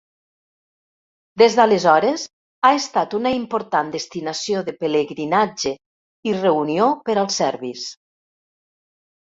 Des d'aleshores, ha estat una important destinació de pelegrinatge i reunió per als serbis.